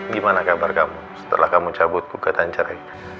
gimana kabar kamu setelah kamu cabut gugatan cerai